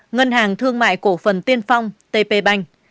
ngân hàng thương mại cổ phần tiên phong tp bank